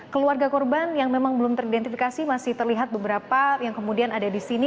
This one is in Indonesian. keluarga korban yang memang belum teridentifikasi masih terlihat beberapa yang kemudian ada di sini